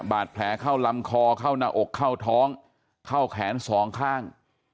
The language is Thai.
บาดแผลเข้าลำคอเข้าหน้าอกเข้าท้องเข้าแขนสองข้าง